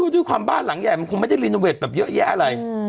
ด้วยความบ้านหลังใหญ่มันคงไม่ได้รีโนเวทแบบเยอะแยะอะไร